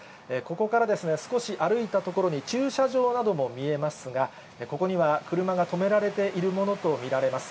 ここからですね、少し歩いた所に駐車場なども見えますが、ここには車が止められているものと見られます。